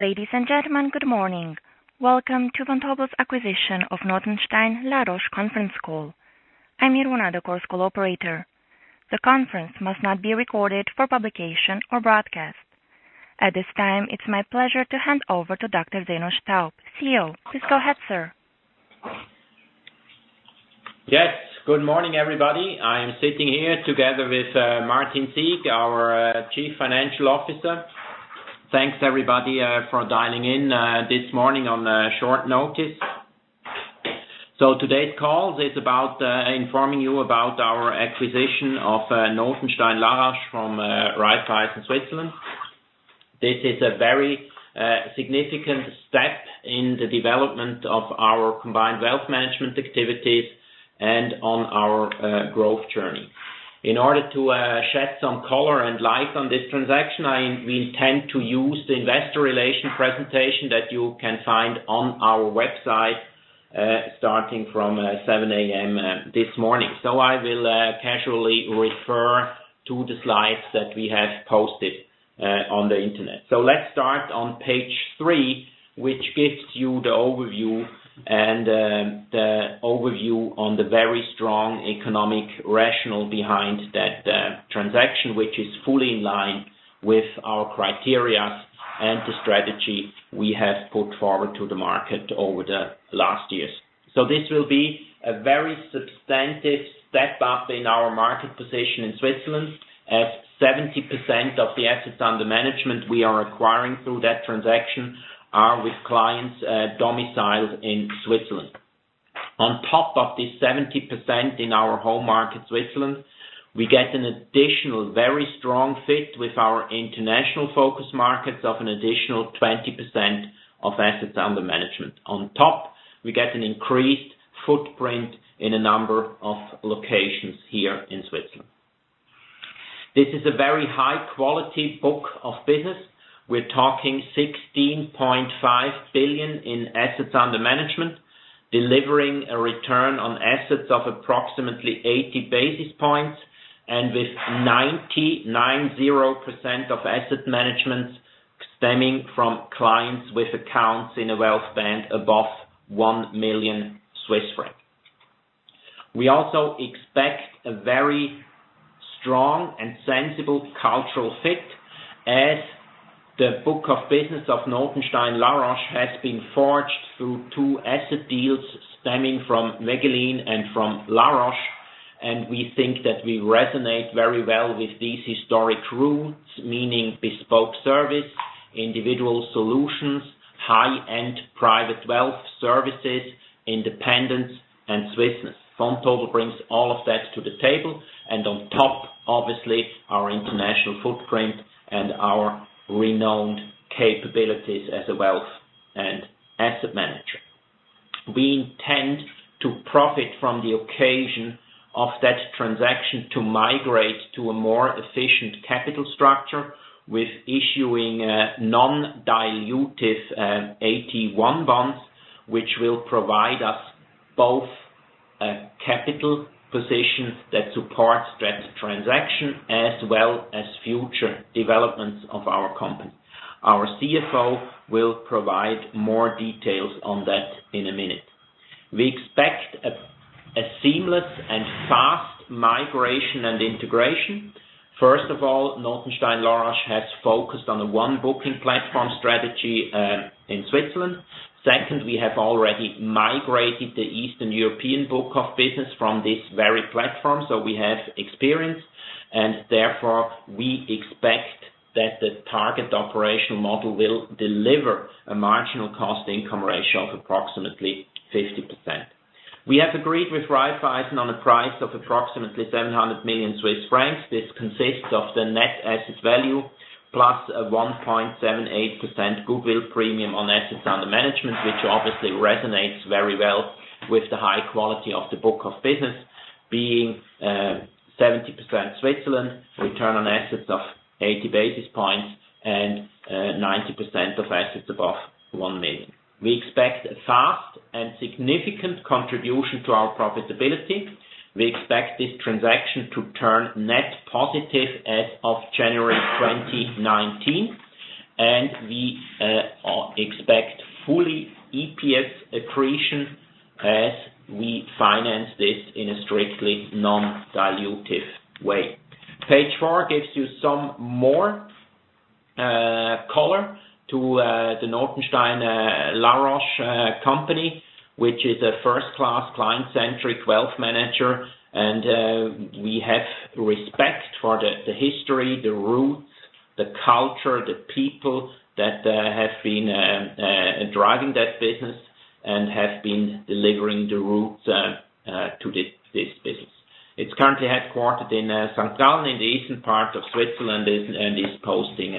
Ladies and gentlemen, good morning. Welcome to Vontobel's acquisition of Notenstein La Roche conference call. I'm Iruna, the call's operator. The conference must not be recorded for publication or broadcast. At this time, it's my pleasure to hand over to Dr. Zeno Staub, CEO. Please go ahead, sir. Yes, good morning, everybody. I am sitting here together with Martin Sieg, our Chief Financial Officer. Thanks, everybody, for dialing in this morning on short notice. Today's call is about informing you about our acquisition of Notenstein La Roche from Raiffeisen Switzerland. This is a very significant step in the development of our combined wealth management activities and on our growth journey. In order to shed some color and light on this transaction, we intend to use the investor relations presentation that you can find on our website, starting from 7:00 A.M. this morning. I will casually refer to the slides that we have posted on the internet. Let's start on page three, which gives you the overview on the very strong economic rationale behind that transaction, which is fully in line with our criteria and the strategy we have put forward to the market over the last years. This will be a very substantive step up in our market position in Switzerland, as 70% of the assets under management we are acquiring through that transaction are with clients domiciled in Switzerland. On top of the 70% in our home market, Switzerland, we get an additional very strong fit with our international focus markets of an additional 20% of assets under management. On top, we get an increased footprint in a number of locations here in Switzerland. This is a very high-quality book of business. We're talking 16.5 billion in assets under management, delivering a return on assets of approximately 80 basis points, and with 90% of asset management stemming from clients with accounts in a wealth band above 1 million Swiss franc. We also expect a very strong and sensible cultural fit as the book of business of Notenstein La Roche has been forged through two asset deals stemming from Wegelin and from La Roche, and we think that we resonate very well with these historic roots, meaning bespoke service, individual solutions, high-end private wealth services, independence, and Swissness. Vontobel brings all of that to the table, and on top, obviously, our international footprint and our renowned capabilities as a wealth and asset manager. We intend to profit from the occasion of that transaction to migrate to a more efficient capital structure with issuing non-dilutive AT1 bonds, which will provide us both a capital position that supports that transaction as well as future developments of our company. Our CFO will provide more details on that in a minute. We expect a seamless and fast migration and integration. First of all, Notenstein La Roche has focused on a one booking platform strategy in Switzerland. Second, we have already migrated the Eastern European book of business from this very platform, so we have experience, and therefore, we expect that the target operational model will deliver a marginal cost-income ratio of approximately 50%. We have agreed with Raiffeisen on a price of approximately 700 million Swiss francs. This consists of the net asset value plus a 1.78% goodwill premium on assets under management, which obviously resonates very well with the high quality of the book of business, being 70% Switzerland, return on assets of 80 basis points, and 90% of assets above 1 million. We expect a fast and significant contribution to our profitability. We expect this transaction to turn net positive as of January 2019, and we expect fully EPS accretion as we finance this in a strictly non-dilutive way. Page four gives you some more color to the Notenstein La Roche company, which is a first-class client-centric wealth manager, and we have respect for the history, the roots, the culture, the people that have been driving that business and have been delivering the roots to this business. It's currently headquartered in St. Gallen in the eastern part of Switzerland and is hosting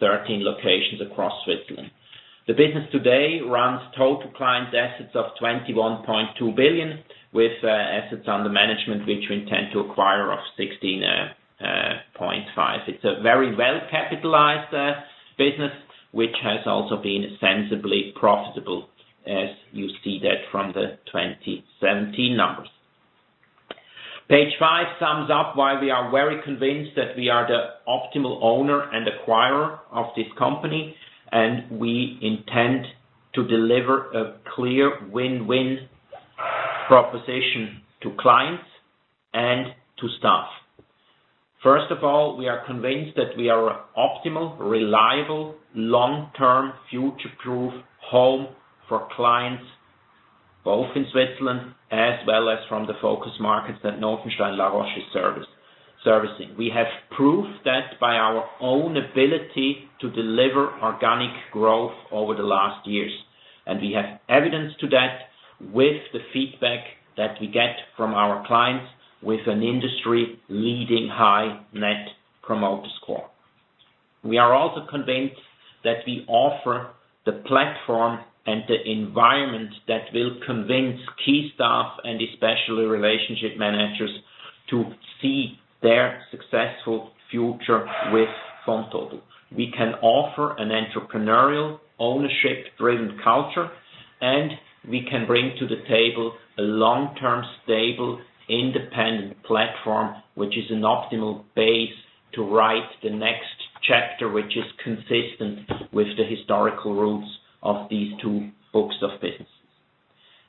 13 locations across Switzerland. The business today runs total client assets of 21.2 billion, with assets under management which we intend to acquire of 16.5 billion. It's a very well-capitalized business, which has also been sensibly profitable, as you see that from the 2017 numbers. Page five sums up why we are very convinced that we are the optimal owner and acquirer of this company, and we intend to deliver a clear win-win proposition to clients and to staff. First of all, we are convinced that we are optimal, reliable, long-term, future-proof home for clients, both in Switzerland as well as from the focus markets that Notenstein La Roche is servicing. We have proved that by our own ability to deliver organic growth over the last years, and we have evidence to that with the feedback that we get from our clients with an industry-leading high Net Promoter Score. We are also convinced that we offer the platform and the environment that will convince key staff and especially relationship managers to see their successful future with Vontobel. We can offer an entrepreneurial, ownership-driven culture, and we can bring to the table a long-term, stable, independent platform, which is an optimal base to write the next chapter, which is consistent with the historical roots of these two books of business.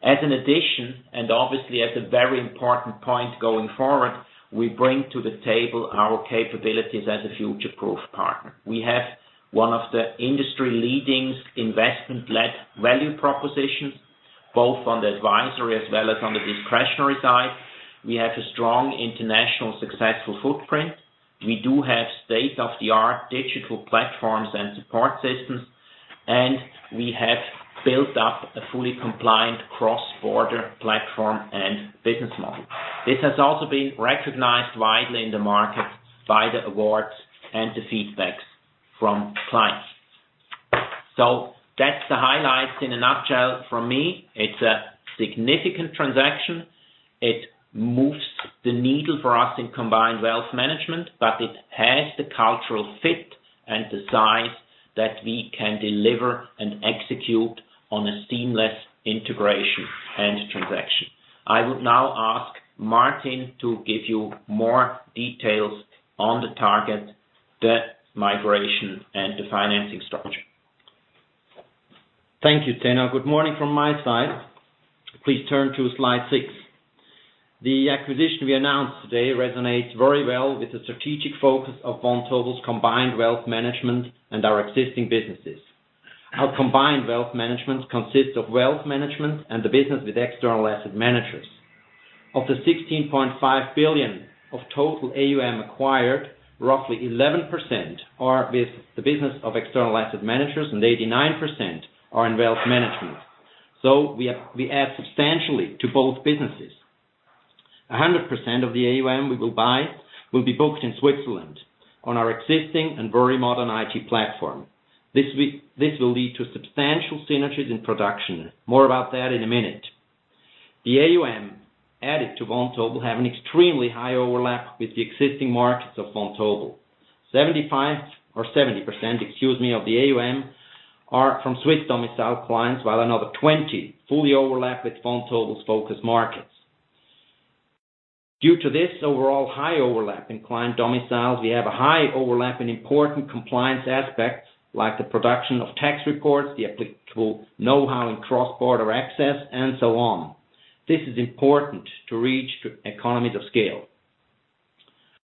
As an addition, and obviously as a very important point going forward, we bring to the table our capabilities as a future-proof partner. We have one of the industry leading investment-led value propositions, both on the advisory as well as on the discretionary side. We have a strong international successful footprint. We do have state-of-the-art digital platforms and support systems, and we have built up a fully compliant cross-border platform and business model. This has also been recognized widely in the market by the awards and the feedbacks from clients. That's the highlights in a nutshell from me. It's a significant transaction. It moves the needle for us in combined wealth management, but it has the cultural fit and the size that we can deliver and execute on a seamless integration and transaction. I would now ask Martin to give you more details on the target, the migration, and the financing structure. Thank you, Zeno. Good morning from my side. Please turn to slide six. The acquisition we announced today resonates very well with the strategic focus of Vontobel's combined wealth management and our existing businesses. Our combined wealth management consists of wealth management and the business with external asset managers. Of the 16.5 billion of total AUM acquired, roughly 11% are with the business of external asset managers and 89% are in wealth management. We add substantially to both businesses. 100% of the AUM we will buy will be booked in Switzerland on our existing and very modern IT platform. This will lead to substantial synergies in production. More about that in a minute. The AUM added to Vontobel have an extremely high overlap with the existing markets of Vontobel. 75% or 70%, excuse me, of the AUM are from Swiss-domiciled clients, while another 20 fully overlap with Vontobel's focus markets. Due to this overall high overlap in client domiciles, we have a high overlap in important compliance aspects like the production of tax reports, the applicable knowhow in cross-border access, and so on. This is important to reach economies of scale.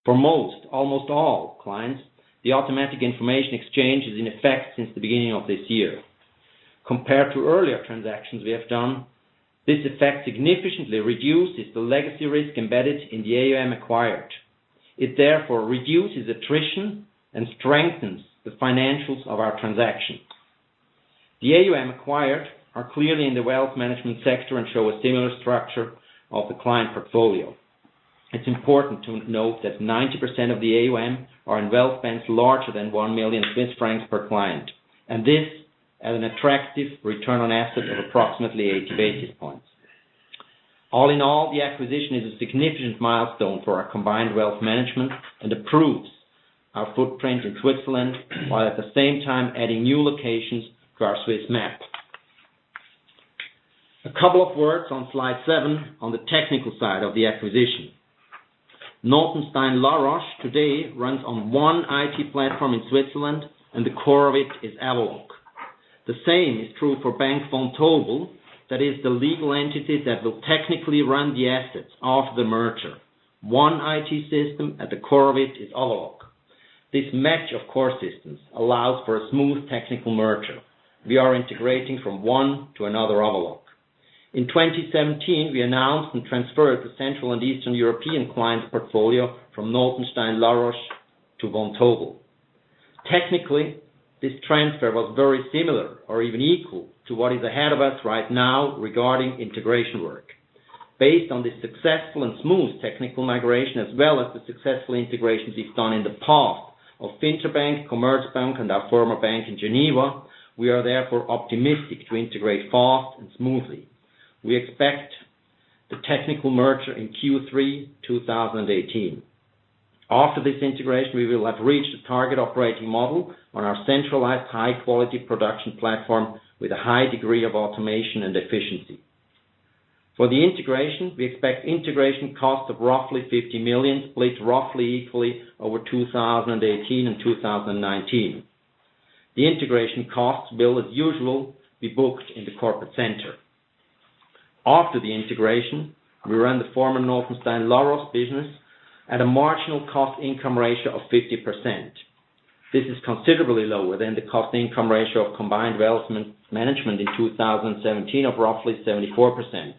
For most, almost all clients, the automatic information exchange is in effect since the beginning of this year. Compared to earlier transactions we have done, this effect significantly reduces the legacy risk embedded in the AUM acquired. It therefore reduces attrition and strengthens the financials of our transaction. The AUM acquired are clearly in the wealth management sector and show a similar structure of the client portfolio. It's important to note that 90% of the AUM are in wealth bands larger than 1 million Swiss francs per client, and this at an attractive return on assets of approximately 80 basis points. All in all, the acquisition is a significant milestone for our combined wealth management and improves our footprint in Switzerland, while at the same time adding new locations to our Swiss map. A couple of words on slide seven on the technical side of the acquisition. Notenstein La Roche today runs on one IT platform in Switzerland, and the core of it is Avaloq. The same is true for Bank Vontobel. That is the legal entity that will technically run the assets after the merger. One IT system, at the core of it is Avaloq. This match of core systems allows for a smooth technical merger. We are integrating from one to another Avaloq. In 2017, we announced and transferred the Central and Eastern European clients' portfolio from Notenstein La Roche to Vontobel. Technically, this transfer was very similar or even equal to what is ahead of us right now regarding integration work. Based on this successful and smooth technical migration, as well as the successful integrations we've done in the past of Finter Bank, Commerzbank, and our former bank in Geneva, we are therefore optimistic to integrate fast and smoothly. We expect the technical merger in Q3 2018. After this integration, we will have reached the target operating model on our centralized high-quality production platform with a high degree of automation and efficiency. For the integration, we expect integration cost of roughly 50 million, split roughly equally over 2018 and 2019. The integration costs will, as usual, be booked in the corporate center. After the integration, we run the former Notenstein La Roche business at a marginal cost income ratio of 50%. This is considerably lower than the cost income ratio of combined wealth management in 2017 of roughly 74%.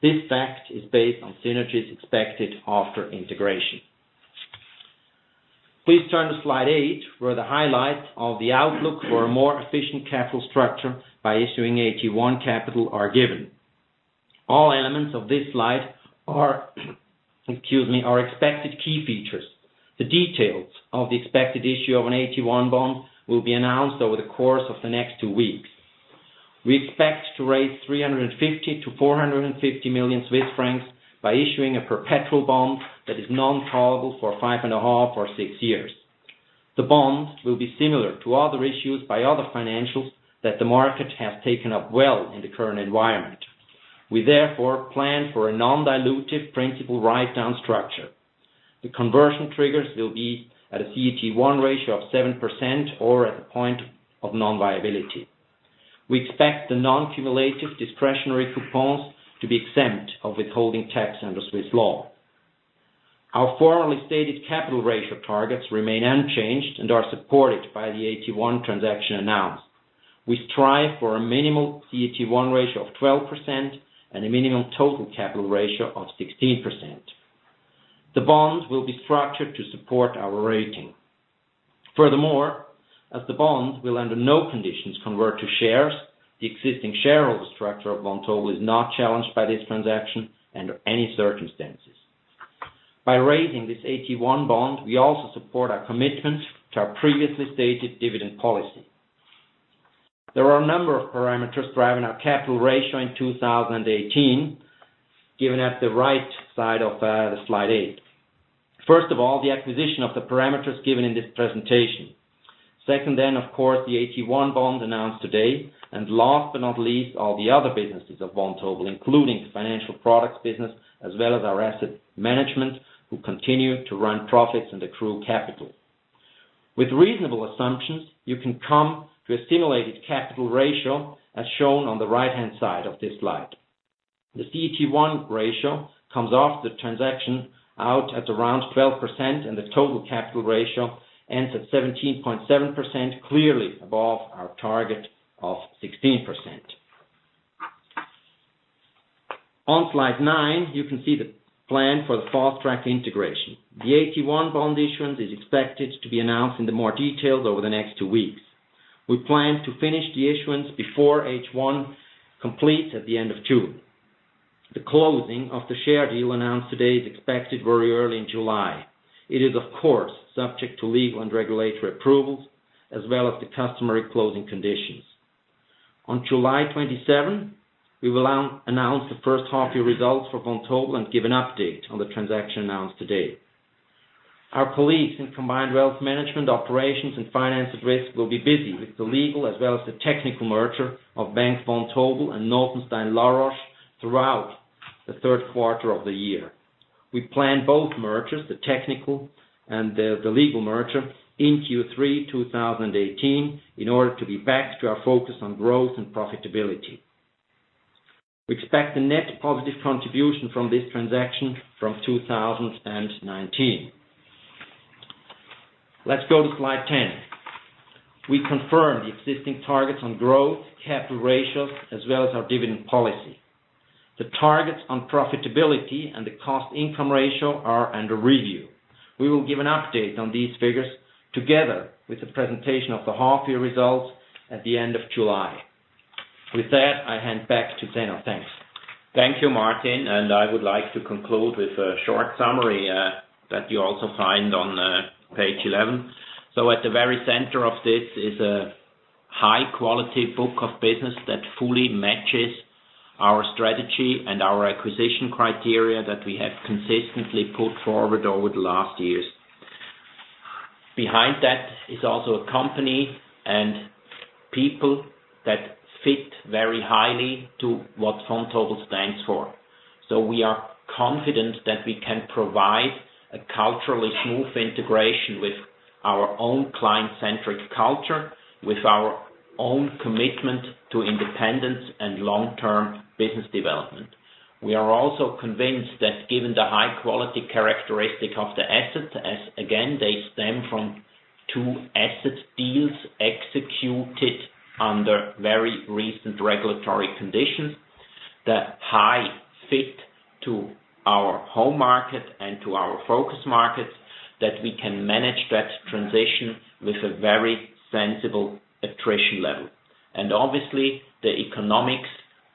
This fact is based on synergies expected after integration. Please turn to slide eight, where the highlights of the outlook for a more efficient capital structure by issuing AT1 capital are given. All elements of this slide are expected key features. The details of the expected issue of an AT1 bond will be announced over the course of the next two weeks. We expect to raise 350 million to 450 million Swiss francs by issuing a perpetual bond that is non-callable for five and a half or six years. The bonds will be similar to other issues by other financials that the market has taken up well in the current environment. We therefore plan for a non-dilutive principal write-down structure. The conversion triggers will be at a CET1 ratio of 7% or at the point of non-viability. We expect the non-cumulative discretionary coupons to be exempt of withholding tax under Swiss law. Our formerly stated capital ratio targets remain unchanged and are supported by the AT1 transaction announced. We strive for a minimal CET1 ratio of 12% and a minimum total capital ratio of 16%. The bonds will be structured to support our rating. Furthermore, as the bonds will under no conditions convert to shares, the existing shareholder structure of Vontobel is not challenged by this transaction under any circumstances. By raising this AT1 bond, we also support our commitment to our previously stated dividend policy. There are a number of parameters driving our capital ratio in 2018, given at the right side of the slide eight. First of all, the acquisition of the parameters given in this presentation. Second then, of course, the AT1 bonds announced today, and last but not least, all the other businesses of Vontobel, including the financial products business as well as our asset management, who continue to run profits and accrue capital. With reasonable assumptions, you can come to a simulated capital ratio as shown on the right-hand side of this slide. The CET1 ratio comes off the transaction out at around 12%, and the total capital ratio ends at 17.7%, clearly above our target of 16%. On slide nine, you can see the plan for the fast-track integration. The AT1 bond issuance is expected to be announced into more details over the next two weeks. We plan to finish the issuance before H1 completes at the end of June. The closing of the share deal announced today is expected very early in July. It is, of course, subject to legal and regulatory approvals, as well as the customary closing conditions. On July 27, we will announce the first half-year results for Vontobel and give an update on the transaction announced today. Our colleagues in combined wealth management operations and financial risk will be busy with the legal as well as the technical merger of Bank Vontobel and Notenstein La Roche throughout the third quarter of the year. We plan both mergers, the technical and the legal merger, in Q3 2018 in order to be back to our focus on growth and profitability. We expect a net positive contribution from this transaction from 2019. Let's go to slide 10. We confirm the existing targets on growth, capital ratios, as well as our dividend policy. The targets on profitability and the cost-income ratio are under review. We will give an update on these figures together with the presentation of the half-year results at the end of July. With that, I hand back to Zeno. Thanks. Thank you, Martin. I would like to conclude with a short summary that you also find on page 11. At the very center of this is a high-quality book of business that fully matches our strategy and our acquisition criteria that we have consistently put forward over the last years. Behind that is also a company and people that fit very highly to what Vontobel stands for. We are confident that we can provide a culturally smooth integration with our own client-centric culture, with our own commitment to independence and long-term business development. We are also convinced that given the high-quality characteristic of the assets, as again, they stem from two asset deals executed under very recent regulatory conditions, the high fit to our home market and to our focus markets, that we can manage that transition with a very sensible attrition level. Obviously, the economics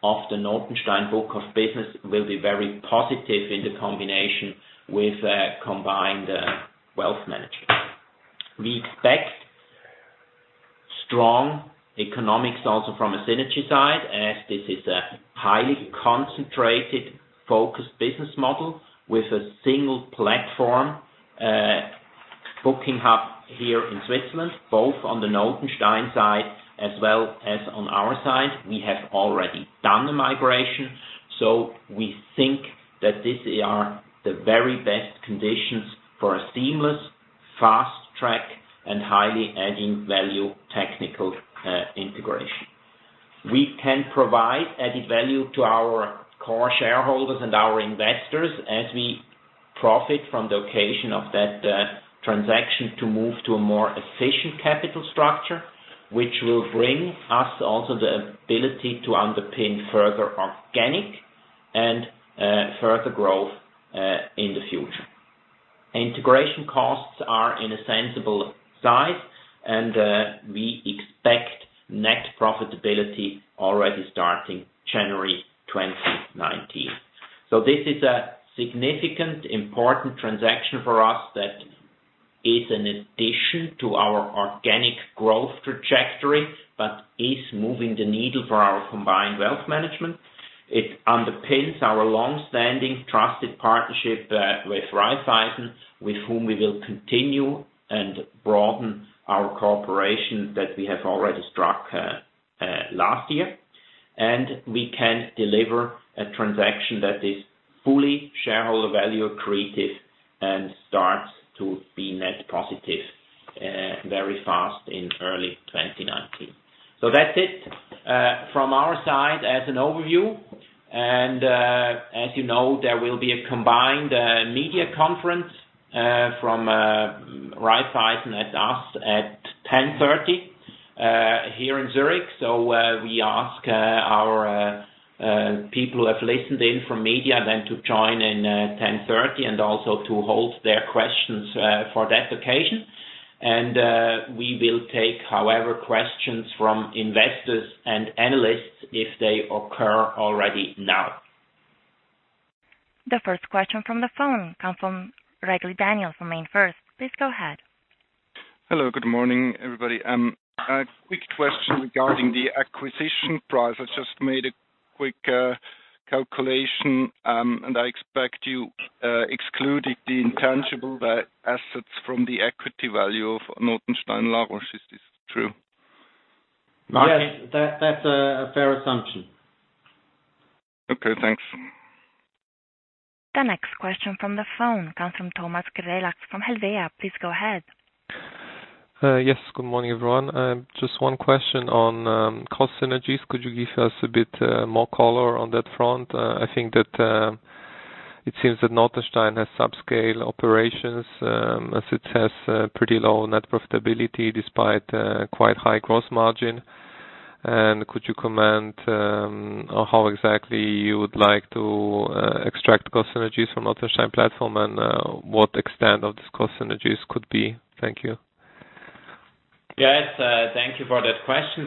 of the Notenstein book of business will be very positive in the combination with combined wealth management. We expect strong economics also from a synergy side as this is a highly concentrated, focused business model with a single platform, booking hub here in Switzerland, both on the Notenstein side as well as on our side. We have already done the migration. We think that these are the very best conditions for a seamless, fast-track and highly adding value technical integration. We can provide added value to our core shareholders and our investors as we profit from the occasion of that transaction to move to a more efficient capital structure, which will bring us also the ability to underpin further organic and further growth in the future. Integration costs are in a sensible size, and we expect net profitability already starting January 2019. This is a significant, important transaction for us that is an addition to our organic growth trajectory, but is moving the needle for our combined wealth management. It underpins our long-standing trusted partnership with Raiffeisen, with whom we will continue and broaden our cooperation that we have already struck last year. We can deliver a transaction that is fully shareholder value creative and starts to be net positive very fast in early 2019. That's it from our side as an overview. As you know, there will be a combined media conference from Raiffeisen and us at 10:30 A.M. here in Zurich. We ask our people who have listened in from media then to join in 10:30 A.M. and also to hold their questions for that occasion. We will take, however, questions from investors and analysts if they occur already now. The first question from the phone comes from Daniel Regli from MainFirst. Please go ahead. Hello. Good morning, everybody. A quick question regarding the acquisition price. I just made a quick calculation, and I expect you excluded the intangible assets from the equity value of Notenstein La Roche. Is this true? Yes. That's a fair assumption. Okay, thanks. The next question from the phone comes from Thomas Gilbert from Helvea. Please go ahead. Yes. Good morning, everyone. Just one question on cost synergies. Could you give us a bit more color on that front? I think that it seems that Notenstein has subscale operations, as it has pretty low net profitability despite quite high gross margin. Could you comment on how exactly you would like to extract cost synergies from Notenstein platform and what extent of this cost synergies could be? Thank you. Yes. Thank you for that question.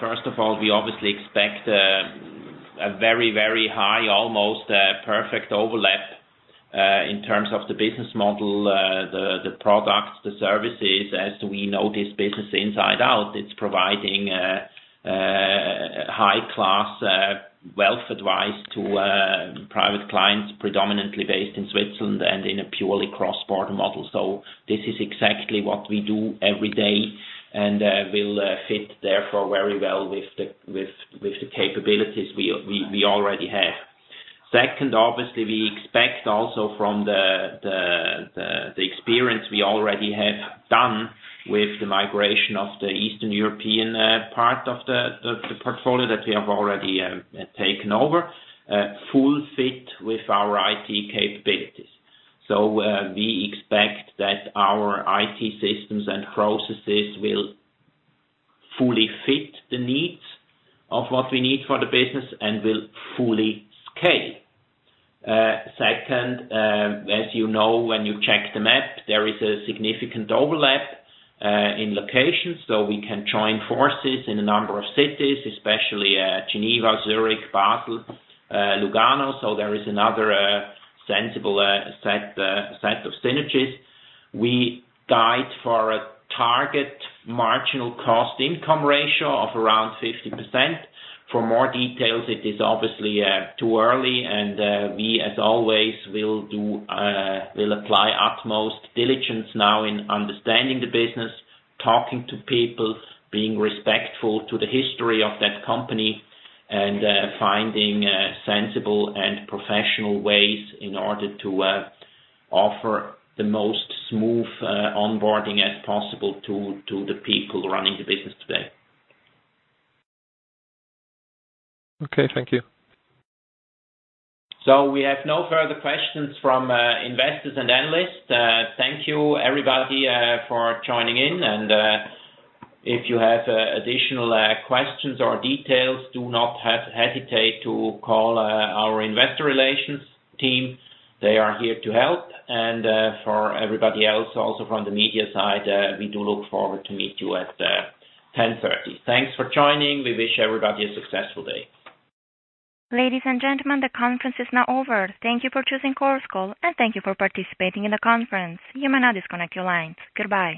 First of all, we obviously expect a very, very high, almost perfect overlap in terms of the business model, the products, the services. We know this business inside out, it's providing high-class wealth advice to private clients, predominantly based in Switzerland and in a purely cross-border model. This is exactly what we do every day and will fit therefore very well with the capabilities we already have. Second, obviously, we expect also from the experience we already have done with the migration of the Eastern European part of the portfolio that we have already taken over, full fit with our IT capabilities. We expect that our IT systems and processes will fully fit the needs of what we need for the business and will fully scale. Second, as you know, when you check the map, there is a significant overlap in locations, so we can join forces in a number of cities, especially Geneva, Zurich, Basel, Lugano. There is another sensible set of synergies. We guide for a target marginal cost-income ratio of around 50%. For more details, it is obviously too early, and we, as always, will apply utmost diligence now in understanding the business, talking to people, being respectful to the history of that company, and finding sensible and professional ways in order to offer the most smooth onboarding as possible to the people running the business today. Okay, thank you. We have no further questions from investors and analysts. Thank you, everybody, for joining in. If you have additional questions or details, do not hesitate to call our investor relations team. They are here to help. For everybody else, also from the media side, we do look forward to meet you at 10:30 A.M. Thanks for joining. We wish everybody a successful day. Ladies and gentlemen, the conference is now over. Thank you for choosing Chorus Call, and thank you for participating in the conference. You may now disconnect your lines. Goodbye.